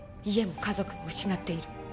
家も家族も失っている